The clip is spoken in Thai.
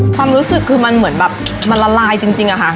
ความรู้สึกคือมันเหมือนแบบมันละลายจริงอะค่ะ